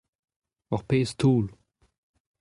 Ur pezh toull.